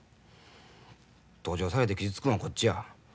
同情されて傷つくんはこっちや。